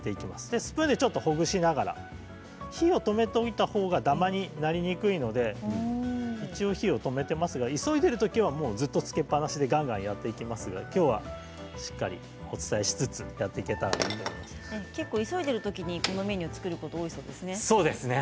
スプーンでちょっとほぐしながら火を止めておいたほうがダマになりにくいので一応、火を止めていますが急いでいるときは、ずっとつけっぱなしでがんがんやっていきますがきょうは、しっかりお伝えしつつ結構急いでいるときにこのメニューを作ることが多いそうですね。